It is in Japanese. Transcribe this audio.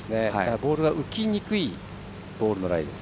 ボールが浮きにくいボールのライです。